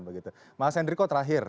mas hendriko terakhir